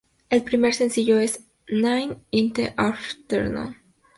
El primer sencillo es "Nine in the Afternoon".